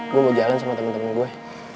gue mau jalan sama temen temen gue